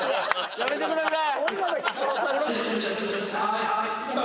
やめてください。